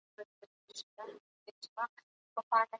کیمیاوي درمل کیفیت ته زیان رسوي.